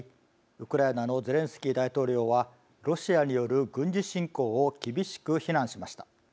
ウクライナのゼレンスキー大統領はロシアによる軍事侵攻を厳しく非難しました。